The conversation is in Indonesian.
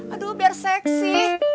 aduh biar seksi